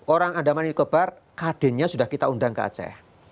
orang andaman nicobar kadennya sudah kita undang ke aceh